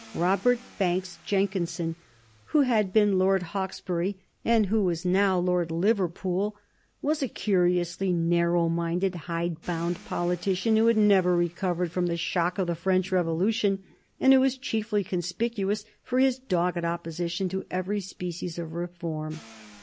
Robert Banks Jenkinson, who had been Lord Hawkesbury and who was now Lord Liverpool, was a curiously narrow minded, hidebound politician who had never recovered from the shock of the French Revolution, and who was chiefly conspicuous for his dogged opposition to every species of reform.